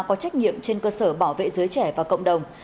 có trách nhiệm trên cơ sở bảo vệ giới trẻ và cộng đồng